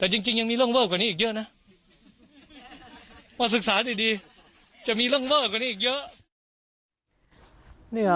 แต่จริงยังมีเรื่องเวอร์กว่านี้อีกเยอะนะพอศึกษาดีจะมีเรื่องเวอร์กว่านี้อีกเยอะ